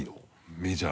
メジャー。